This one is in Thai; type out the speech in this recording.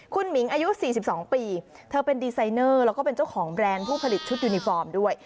คุณหมิงอายุ๔๒ปีเธอเป็นดีไซเนอร์แล้วก็เป็นเจ้าของแบรนด์ผู้ผลิตชุดยูนิฟอร์มด้วย